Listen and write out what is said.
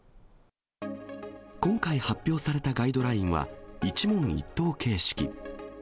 今回発表されたガイドラインは、一問一答形式。